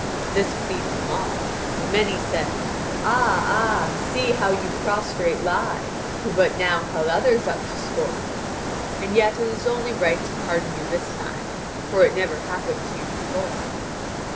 This pleased them all, and many said: "Ah, ah, see how you prostrate lie, who but now held others up to scorn! And yet it is only right to pardon you this time; for it never happened to you before."